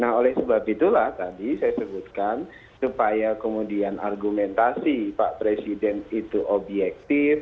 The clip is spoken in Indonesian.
nah oleh sebab itulah tadi saya sebutkan supaya kemudian argumentasi pak presiden itu objektif